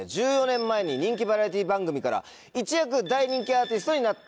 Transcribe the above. １４年前に人気バラエティー番組から一躍大人気アーティストになった方です。